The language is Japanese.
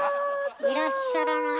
いらっしゃらない。